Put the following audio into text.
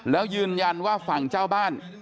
แล้วยืนยันว่าฝั่งเจ้าบ้าน